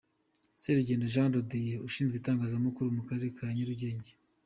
Serugendo Jean de Dieu Ushinzwe Itangazamakuru mu Karere ka Nyarugenge .